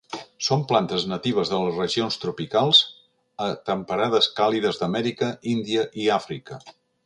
Són plantes natives de les regions tropicals a temperades càlides d'Amèrica, Índia i Àfrica.